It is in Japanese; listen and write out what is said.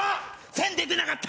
線出てなかった